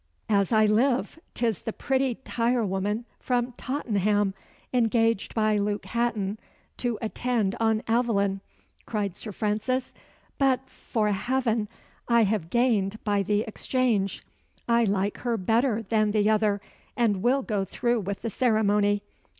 "As I live, 'tis the pretty tirewoman from Tottenham, engaged by Luke Hatton to attend on Aveline," cried Sir Francis; "but, 'fore Heaven, I have gained by the exchange. I like her better than the other, and will go through with the ceremony.